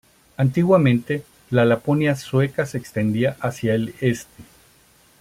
Antiguamente la Laponia sueca se extendía hacia el este.